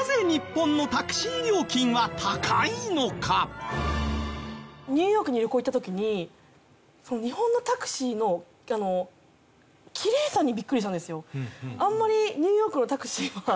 ではニューヨークに旅行行った時に日本のタクシーのきれいさにビックリしたんですよ。